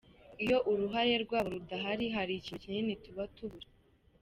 Iyo uruhare rwabo rudahari, hari ikintu kinini tuba tubura.